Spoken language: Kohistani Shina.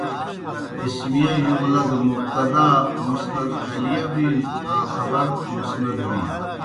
اسمِیہ جُلمہ دہ مُبتدا مسند الیہ بِینوْ آں خبر مُسند بِینیْ۔